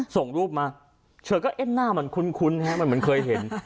ส่งรูปมาเธอก็เอ๊ะหน้ามันคุ้นฮะมันเหมือนเคยเห็น